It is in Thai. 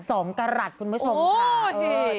สอมกระหลัดคุณผู้ชมค่ะ